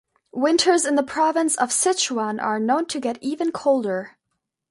Winters in the province of Sichuan are known to get even colder.